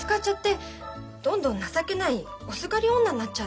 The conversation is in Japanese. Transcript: どんどん情けないおすがり女になっちゃうの。